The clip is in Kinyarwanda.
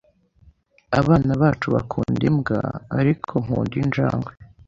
Abana bacu bakunda imbwa, ariko nkunda injangwe.